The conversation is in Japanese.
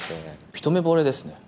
一目ぼれですね。